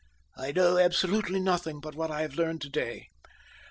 "I know absolutely nothing but what I have learned to day.